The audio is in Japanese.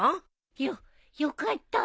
よっよかった